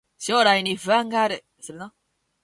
将来に不安がある